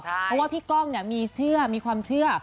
เพราะว่าพี่กองมีความเชื่อ